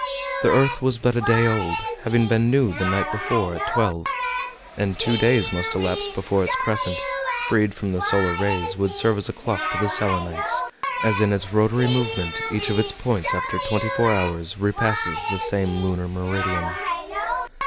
The earth was but a day old, having been new the night before at twelve; and two days must elapse before its crescent, freed from the solar rays, would serve as a clock to the Selenites, as in its rotary movement each of its points after twenty four hours repasses the same lunar meridian.